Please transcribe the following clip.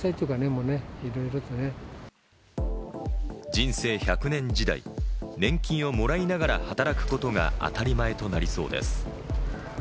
人生１００年時代、年金をもらいながら働くことが当たり前となりそうです。